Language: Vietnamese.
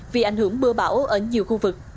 vì ảnh hưởng bưa bão ở nhiều khu vực